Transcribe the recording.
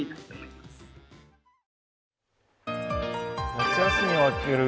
夏休みが明ける